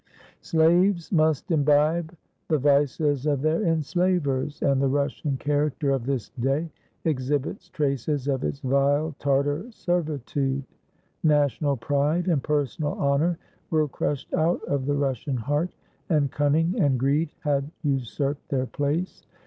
Slaves must imbibe the vices of their enslavers, and the Russian character of this day exhibits traces of its vile Tartar servitude. National pride and personal honor were crushed out of the Russian heart, and cunning and greed had usurped their place.